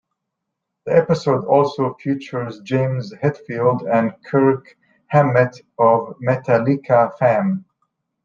The episode also features James Hetfield and Kirk Hammett of Metallica fame.